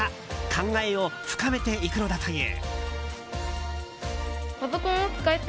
考えを深めていくのだという。